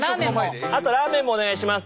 あとラーメンもお願いします。